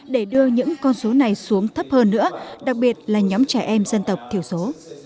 để đưa những con số này xuống thấp hơn nữa đặc biệt là nhóm trẻ em dân tộc thiểu số